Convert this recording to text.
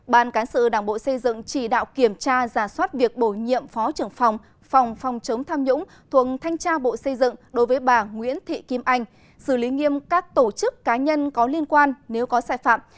một ban cán sự đảng bộ xây dựng chỉ đạo kiểm tra giả soát việc bổ nhiệm phó trưởng phòng phòng chống tham nhũng thuộc thanh tra bộ xây dựng đối với bà nguyễn thị kim anh xử lý nghiêm các tổ chức cá nhân có liên quan nếu có sai phạm